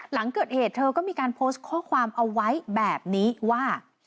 หลังเกิดเหตุเธอก็มีการโพสต์ข้อความเอาไว้แบบนี้ว่า